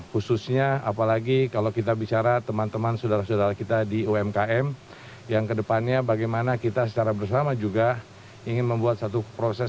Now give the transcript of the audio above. khususnya apalagi kalau kita bicara teman teman saudara saudara kita di umkm yang kedepannya bagaimana kita secara bersama juga ingin membuat satu proses